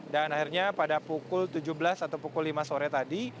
dan akhirnya pada pukul tujuh belas atau pukul lima sore tadi